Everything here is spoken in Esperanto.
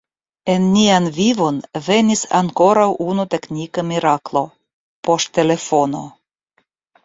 En nian vivon venis ankoraŭ unu teknika miraklo – poŝtelefono.